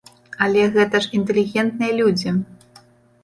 Але гэта ж інтэлігентныя людзі.